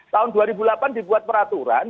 karena tahun dua ribu delapan dibuat peraturan